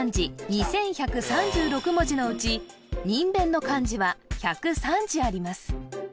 ２１３６文字のうちにんべんの漢字は１０３字あります